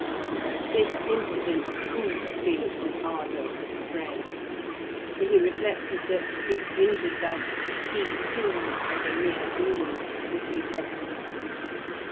This incident cooled Felix's ardour for the fray, for he reflected that, if injured thus, he too, as a mere groom, would be left.